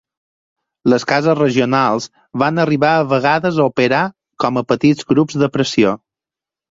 Les cases regionals van arribar a vegades a operar com a petits grups de pressió.